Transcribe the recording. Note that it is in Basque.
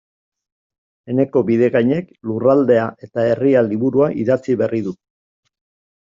Eneko Bidegainek Lurraldea eta Herria liburua idatzi berri du.